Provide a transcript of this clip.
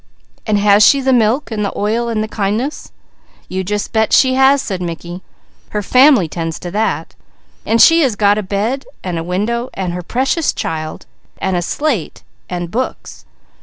"And has she the milk and the oil and the kindness?" "You just bet she has," said Mickey. "Her family tends to that. And she has got a bed, and a window, and her Precious Child, and a slate, and books."